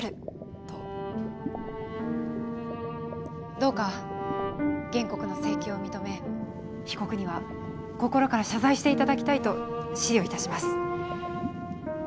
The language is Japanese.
どうか原告の請求を認め被告には心から謝罪していただきたいと思慮いたします。